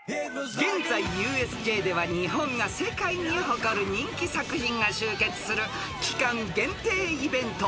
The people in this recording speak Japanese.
［現在ＵＳＪでは日本が世界に誇る人気作品が集結する期間限定イベント